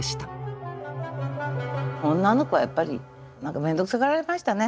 女の子はやっぱり何か面倒くさがられましたね。